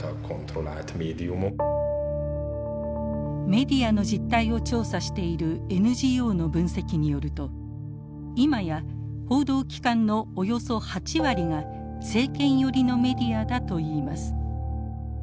メディアの実態を調査しているＮＧＯの分析によると今や報道機関のおよそ８割が政権寄りのメディアだといいます。